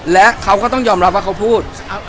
และเขาก็ต้องยอมรับว่าเขาพูด